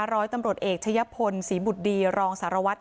ร้อยตำรวจเอกชะยะพลศรีบุตรดีรองสารวัตร